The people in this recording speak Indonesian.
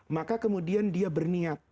maka kemudian dia berniat